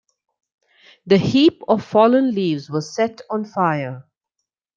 The heap of fallen leaves was set on fire.